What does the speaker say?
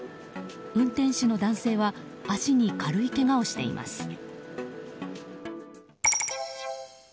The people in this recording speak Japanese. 運転手の男性は足に軽いけがをしています。